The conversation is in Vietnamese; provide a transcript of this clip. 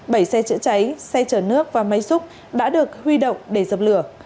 bảy xe chữa cháy xe chở nước và máy xúc đã được huy động để dập lửa